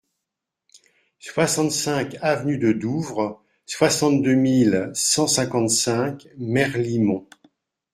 soixante-cinq avenue de Douvres, soixante-deux mille cent cinquante-cinq Merlimont